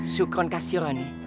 syukron kasih rony